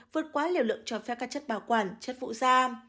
vượt quá liều lượng cho phép các chất bảo quản chất phụ da